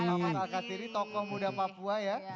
mamat alkatiri tokoh muda papua ya